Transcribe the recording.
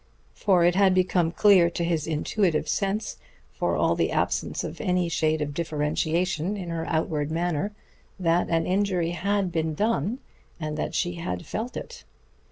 For it had become clear to his intuitive sense, for all the absence of any shade of differentiation in her outward manner, that an injury had been done, and that she had felt it.